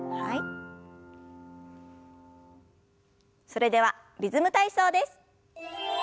それでは「リズム体操」です。